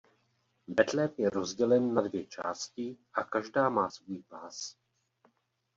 Betlém je rozdělen na dvě části a každá má svůj pás.